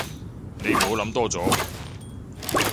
你唔好諗多咗